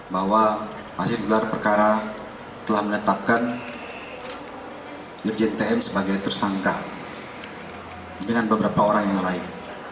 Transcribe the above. bahwa hasil gelar perkara telah menetapkan irjen tm sebagai tersangka dengan beberapa orang yang lain